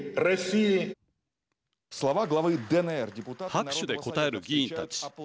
拍手で応える議員たち。